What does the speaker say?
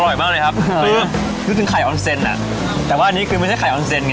อร่อยมากเลยครับคือนึกถึงไข่ออนเซนอ่ะแต่ว่าอันนี้คือไม่ใช่ไข่ออนเซนไง